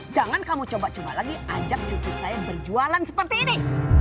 jangan kamu coba coba lagi ajak cucu saya berjualan seperti ini